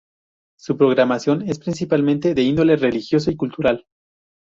Su programación es principalmente de índole religioso y cultural.